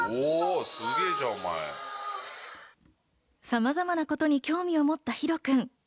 さまざまなことに興味を持ったヒロくん。